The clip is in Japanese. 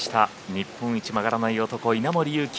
日本一曲がらない男・稲森佑貴。